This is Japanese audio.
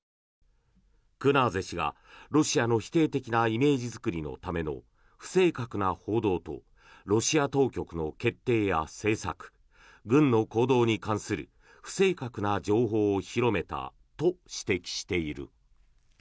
クナーゼ氏が、ロシアの否定的なイメージ作りのための不正確な報道とロシア当局の決定や政策軍の行動に関する不正確な情報を広めたと指摘している。